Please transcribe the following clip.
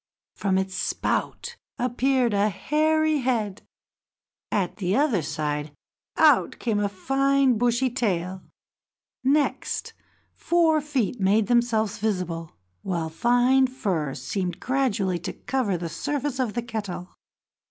From its spout appeared a hairy head; at the other side out came a fine bushy tail; next, four feet made themselves visible, while fine fur seemed gradually to cover the surface of the kettle.